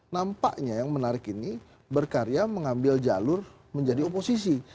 nampaknya yang menarik ini berkarya mengambil jalur menjadi oposisi